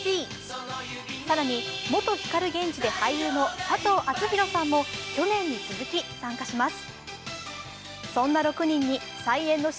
更に元光ＧＥＮＪＩで俳優の佐藤アツヒロさんも去年に続き、参加します。